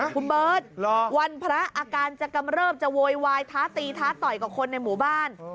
คุณเบิร์ตวันพระอาการจะกำเริบจะโวยวายท้าตีท้าต่อยกับคนในหมู่บ้าน